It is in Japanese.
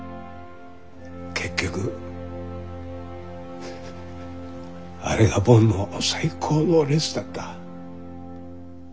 結局あれがボンの最高のレースだった。